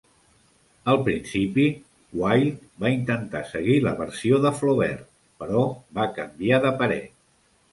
Al principi, Wilde va intentar seguir la versió de Flaubert, però va canviar de parer.